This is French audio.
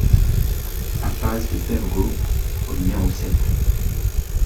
Impasse de Perregaux au numéro sept